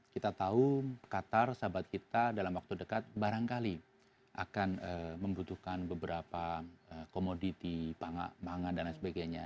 kita tahu qatar sahabat kita dalam waktu dekat barangkali akan membutuhkan beberapa komoditi pangan dan lain sebagainya